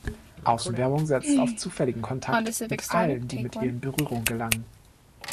Außenwerbung setzt auf zufälligen Kontakt mit allen, die mit ihr in Berührung gelangen.